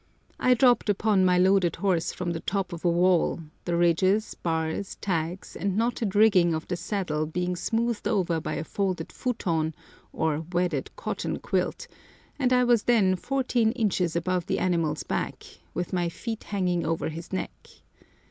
I dropped upon my loaded horse from the top of a wall, the ridges, bars, tags, and knotted rigging of the saddle being smoothed over by a folded futon, or wadded cotton quilt, and I was then fourteen inches above the animal's back, with my feet hanging over his neck.